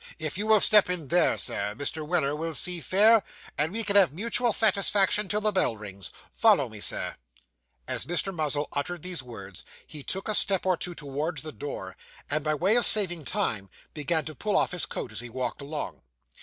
If you will step in there, Sir, Mr. Weller will see fair, and we can have mutual satisfaction till the bell rings. Follow me, Sir!' As Mr. Muzzle uttered these words, he took a step or two towards the door; and, by way of saving time, began to pull off his coat as he walked along.